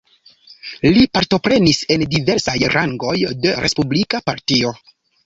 Li partoprenis en diversaj rangoj de Respublika Partio.